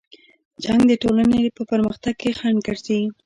جنګ د ټولنې په پرمختګ کې خنډ ګرځي.